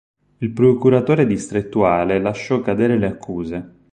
Il procuratore distrettuale lasciò cadere le accuse.